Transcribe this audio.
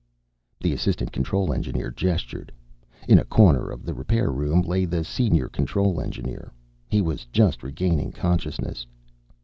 The assistant control engineer gestured. In a corner of the repair room lay the senior control engineer. He was just regaining consciousness.